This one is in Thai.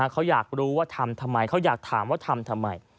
เขาอยากรู้ว่าทำทำไมเขาอยากถามว่าทำทำไม